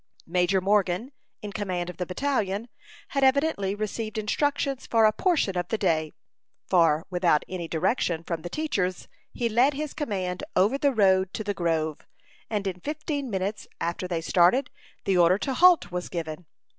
Major Morgan, in command of the battalion, had evidently received instructions for a portion of the day; for, without any direction from the teachers, he led his command over the road to the grove, and in fifteen minutes after they started, the order to halt was given.